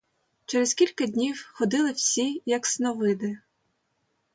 Через кілька днів ходили всі як сновиди.